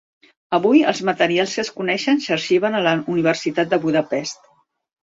Avui, els materials que es coneixen s'arxiven a la Universitat de Budapest.